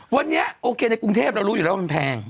วันนี้โอเคในกรุงเทพฯเรารู้ราคามันแพง